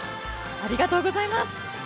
ありがとうございます。